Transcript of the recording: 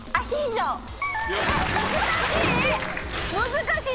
難しい。